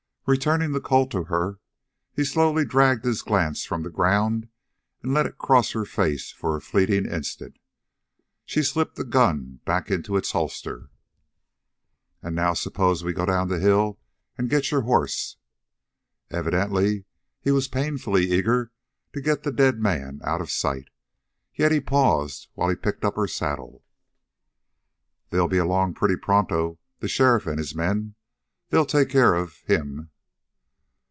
Returning the Colt to her, he slowly dragged his glance from the ground and let it cross her face for a fleeting instant. She slipped the gun back into its holster. "And now suppose we go down the hill and get your hoss?" Evidently he was painfully eager to get the dead man out of sight. Yet he paused while he picked up her saddle. "They'll be along pretty pronto the sheriff and his men. They'll take care of him."